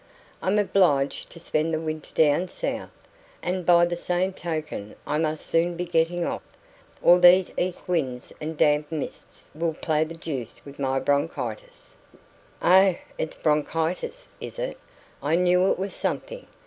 I'm obliged to spend the winter down south and by the same token I must soon be getting off, or these east winds and damp mists will play the deuce with my bronchitis " "Oh, it's bronchitis, is it? I knew it was something.